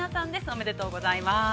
おめでとうございます。